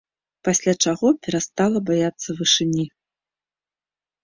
Пасля чаго перастала баяцца вышыні.